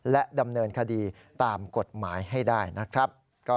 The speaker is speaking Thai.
และดำเนินคดีตามกฎหมายให้ได้นะครับ